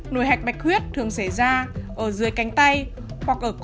nổi hạch bạch huyết thường xảy ra ở dưới cánh tay hoặc dưới bàn tay